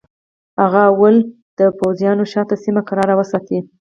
هغه لومړی د پوځیانو شاته سیمه کراره وساتي.